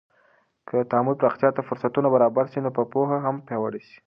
که د تعامل پراختیا ته فرصتونه برابر سي، نو پوهه به هم پیاوړې سي.